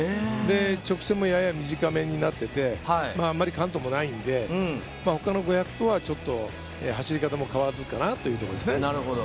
直線もやや短めになっていて、あまりカントもないんで、他の５００とはちょっと走り方も変わるかなという感じですね。